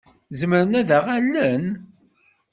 Zemren ad aɣ-allen?